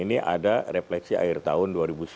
ini ada refleksi akhir tahun dua ribu sembilan belas